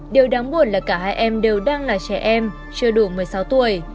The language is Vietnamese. điều đáng buồn là cả hai em đều đang là trẻ em chưa đủ một mươi sáu tuổi